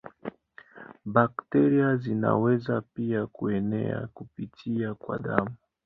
Bakteria zinaweza pia kuenea kupitia kwa damu.